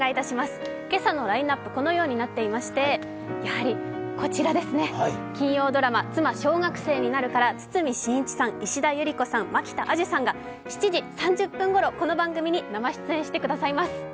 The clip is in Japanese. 今朝のラインナップ、このようになっていましてやはりこちらですね、金曜ドラマ「妻、小学生になる」から堤真一さん、石田ゆり子さん、蒔田彩珠さんが７時３０分ごろ、この番組に生出演してくださいます。